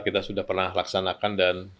kita sudah pernah laksanakan dan